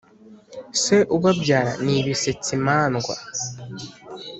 se ubabyara ni bisetsimandwa